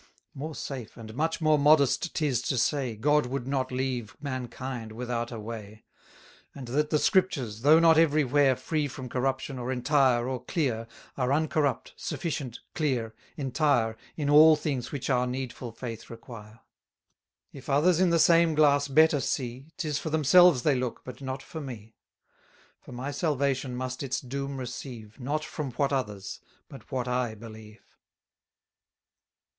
More safe, and much more modest 'tis to say, God would not leave mankind without a way: And that the Scriptures, though not every where Free from corruption, or entire, or clear, Are uncorrupt, sufficient, clear, entire, In all things which our needful faith require. 300 If others in the same glass better see, 'Tis for themselves they look, but not for me: For my salvation must its doom receive, Not from what others, but what I believe.